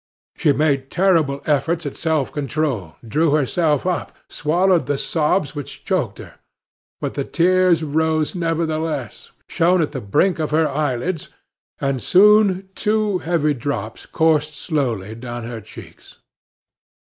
She made terrible efforts at self control, drew herself up, swallowed the sobs which choked her; but the tears rose nevertheless, shone at the brink of her eyelids, and soon two heavy drops coursed slowly down her cheeks.